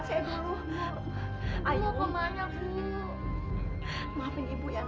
saya juga masih keras kepala